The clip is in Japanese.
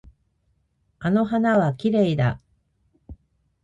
あの花はきれいだ。